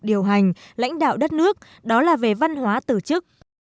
điều hành lãnh đạo đất nước đó là về văn hóa từ chức